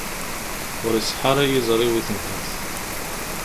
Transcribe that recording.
Ur iṣeḥḥa ara yiẓri-w i tenhert.